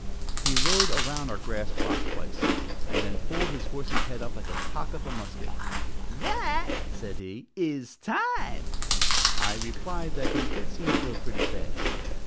He rode around our grass plot twice, and then pulled his horse's head up like the cock of a musket. "That," said he, "is time." I replied that he did seem to go pretty fast.